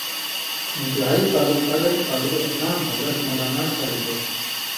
انتہائی قابل قدر قابل احترام حضرت مولانا صاحبے